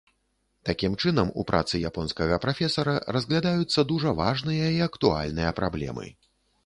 Такім чынам, у працы японскага прафесара разглядаюцца дужа важныя і актуальныя праблемы.